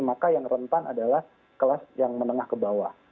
maka yang rentan adalah kelas yang menengah ke bawah